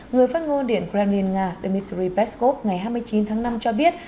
người phát ngôn điện kremlin nga dmitry peskov ngày hai mươi chín tháng năm cho biết